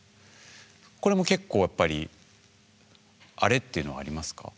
これも結構やっぱりあれ？っていうのはありますか？